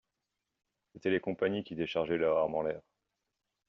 C'étaient les compagnies qui déchargeaient leurs armes en l'air.